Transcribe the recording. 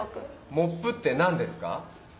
「モップ」って何ですか？